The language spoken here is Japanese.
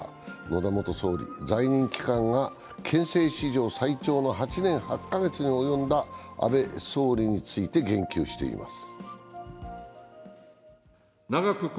野田元総理、在任期間が憲政史上最長の８年８か月に及んだ安倍総理について言及しています。